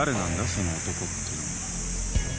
その男ってのは。